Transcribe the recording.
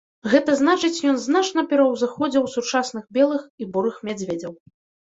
Гэта значыць ён значна пераўзыходзіў сучасных белых і бурых мядзведзяў.